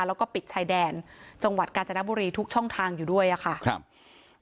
แล้วก็ปิดชายแดนจังหวัดกาญจนบุรีทุกช่องทางอยู่ด้วยอะค่ะครับ